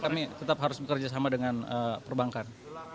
kami tetap harus bekerja sama dengan perbankan